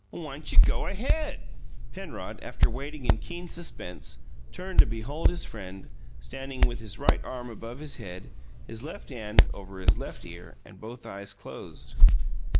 "Why'n't you go ahead?" Penrod, after waiting in keen suspense, turned to behold his friend standing with his right arm above his head, his left hand over his left ear, and both eyes closed.